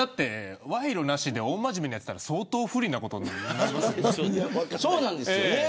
賄賂なしで大真面目にやってたら相当不利なことになる。